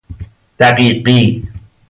دقیقی